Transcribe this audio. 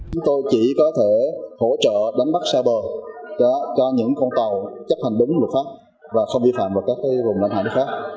chúng tôi chỉ có thể hỗ trợ đánh bắt xa bờ cho những con tàu chấp hành đúng luật pháp và không vi phạm vào các vùng đánh hại nước khác